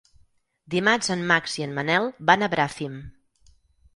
Dimarts en Max i en Manel van a Bràfim.